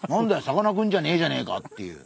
さかなクンじゃねえじゃねえかっていう。